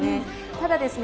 ただですね